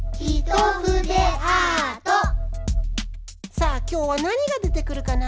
さあきょうはなにがでてくるかな？